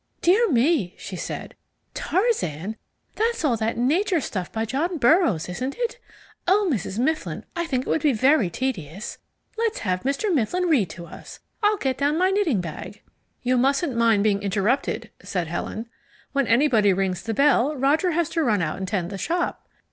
"Dear me," she said; "Tarzan that's all that nature stuff by John Burroughs; isn't it? Oh, Mrs. Mifflin, I think it would be very tedious. Let's have Mr. Mifflin read to us. I'll get down my knitting bag." "You mustn't mind being interrupted," said Helen. "When anybody rings the bell Roger has to run out and tend the shop."